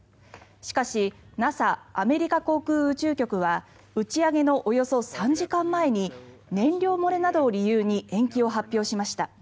しかしＮＡＳＡ・アメリカ航空宇宙局は打ち上げのおよそ３時間前に燃料漏れなどを理由に延期を発表しました。